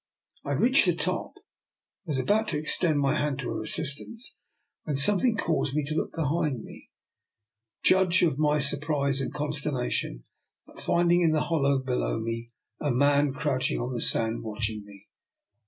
I had reached the top, and was about to extend my hand to her assistance, when something caused me to look behind me. Judge of my surprise and consternation at finding, in the hollow below me, a man crouching on the sand, watching me.